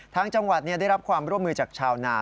ทางจังหวัดได้รับความร่วมมือจากชาวนา